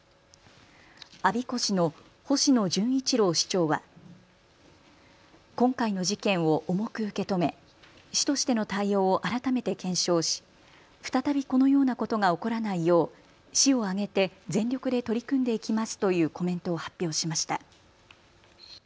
我孫子市の星野順一郎市長は今回の事件を重く受け止め市としての対応を改めて検証し再びこのようなことが起こらないよう市を挙げて全力で取り組んでいきますというコメントを発表しました。